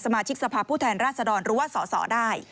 มาชิกสภาพผู้แทนราชดรหรือว่าสอสอได้